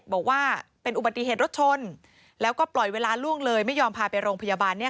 บอกว่าเป็นอุบัติเหตุรถชนแล้วก็ปล่อยเวลาล่วงเลยไม่ยอมพาไปโรงพยาบาล